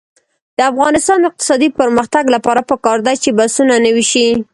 د افغانستان د اقتصادي پرمختګ لپاره پکار ده چې بسونه نوي شي.